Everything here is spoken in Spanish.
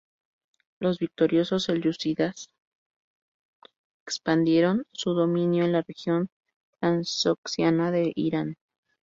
Los victoriosos selyúcidas expandieron su dominio en la región transoxiana e Irán.